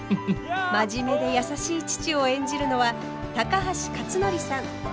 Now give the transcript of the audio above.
真面目で優しい父を演じるのは高橋克典さん。